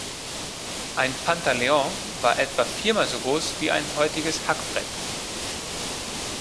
Ein Pantaleon war etwa viermal so groß wie ein heutiges Hackbrett.